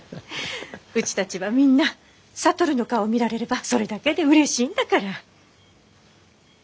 うちたちはみんな智の顔見られればそれだけでうれしいんだから。